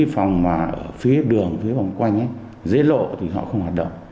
với vòng quanh dưới lộ thì họ không hoạt động